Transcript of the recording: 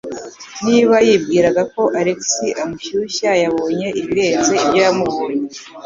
Niba yibwiraga ko Alex amushyushya, yabonye ibirenze ibyo yamubonye.